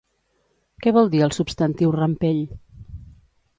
Què vol dir el substantiu rampell?